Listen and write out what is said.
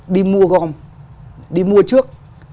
đi mua gom đi mua trước